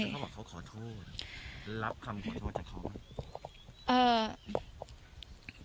รับคำขอโทษจากเขาไหม